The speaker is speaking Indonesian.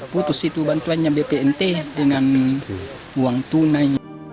putus itu bantuannya bpnt dengan uang tunai